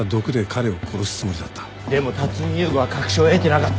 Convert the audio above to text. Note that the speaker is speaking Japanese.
でも辰巳勇吾は確証を得てなかった。